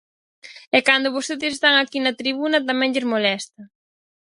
E cando vostedes están aquí na tribuna tamén lles molesta.